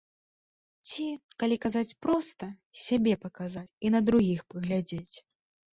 Ці, калі казаць проста, сябе паказаць і на другіх паглядзець.